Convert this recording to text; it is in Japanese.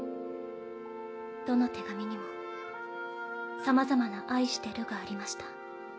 どの手紙にもさまざまな「愛してる」がありました。